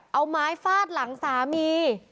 เอาไม้ฟาดหลังสามี